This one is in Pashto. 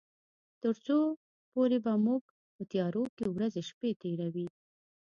تر څو پورې به موږ په تيارو کې ورځې شپې تيروي.